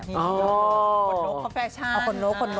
คละโลกคละสแฟชั่น